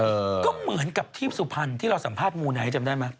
ก็เหมือนกับที่สุพรรณที่เราสัมภาษณ์มูไนท์จำได้ไหม